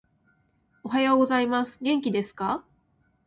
おはようございます。元気ですか？